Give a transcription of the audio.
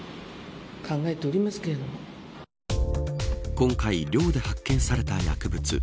今回、寮で発見された薬物。